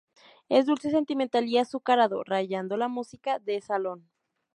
Es dulce, sentimental, y azucarado; rayando la música de salón.